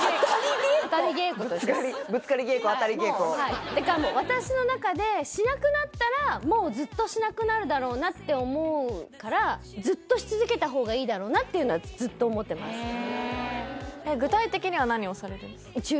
ぶつかりぶつかり稽古当たり稽古だからもう私の中でしなくなったらもうずっとしなくなるだろうなって思うからだろうなっていうのはずっと思ってますへえ何をされるんですか？